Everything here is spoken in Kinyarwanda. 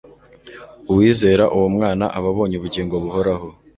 “Uwizera uwo mwana aba abonye ubugingo buhoraho.